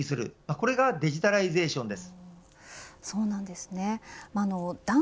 これがデジタライゼーションです。